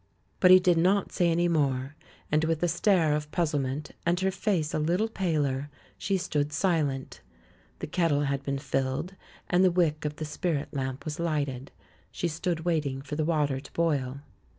But he did not say any more; and with a stare of puzzlement, and her face a little paler, she stood silent. The kettle had been filled, and the wick of the spirit lamp was lighted; she stood waiting for the water to boil.